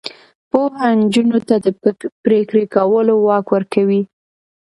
پوهه نجونو ته د پریکړې کولو واک ورکوي.